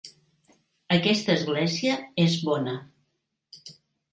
Aquesta església és bona.